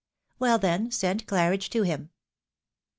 Well, then, send Claridge to him."